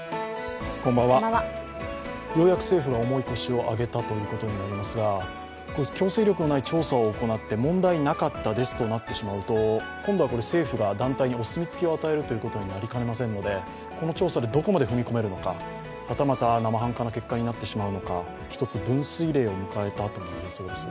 ようやく政府が重い腰を上げたということになりますが強制力のない調査を行って、問題なかったですとなってしまうと今度は政府が団体にお墨付きを与えるということになりかねませんのでこの調査でどこまで踏み込めるのか、はたまた生半可な結果になってしまうのか、一つ分水嶺を迎えたとも言えそうです。